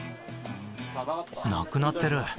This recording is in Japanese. なくなってる。